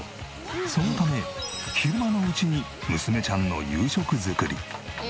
そのため昼間のうちに娘ちゃんの夕食作り。